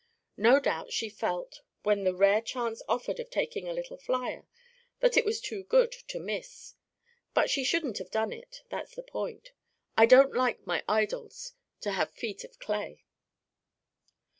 No doubt she felt, when the rare chance offered of taking a little flyer, that it was too good to miss. But she shouldn't have done it; that's the point. I don't like my idols to have feet of clay."